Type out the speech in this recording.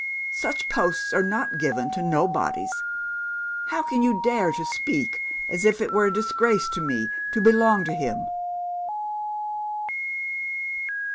Such posts are not given to nobodies. How can you dare to speak as if it were a disgrace to me to belong to him?'